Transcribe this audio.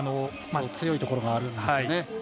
強いところがあるんですよね。